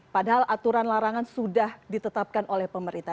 padahal aturan larangan sudah ditetapkan oleh pemerintah